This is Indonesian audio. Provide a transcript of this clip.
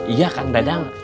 iya kang dadang